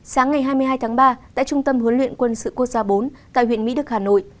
sáng ngày hai mươi hai tháng ba tại trung tâm huấn luyện quân sự quốc gia bốn tại huyện mỹ đức hà nội